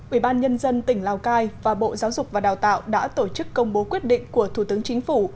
ủy ban nhân dân tỉnh lào cai và bộ giáo dục và đào tạo đã tổ chức công bố quyết định của thủ tướng chính phủ